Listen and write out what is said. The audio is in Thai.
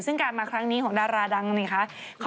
ซึ่งการมาครั้งนี้ของดาราดังนี่คะ